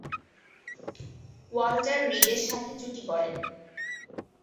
Walter রিডের সাথে জুটি গড়েন।